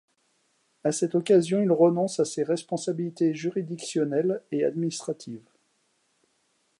À cette occasion, il renonce à ses responsabilités juridictionnelles et administratives.